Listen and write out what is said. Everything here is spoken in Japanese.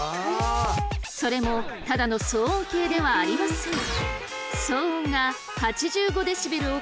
それもただの騒音計ではありません。